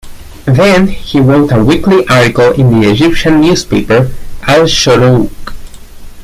Then, he wrote a weekly article in the Egyptian newspaper "Al-Shorouk".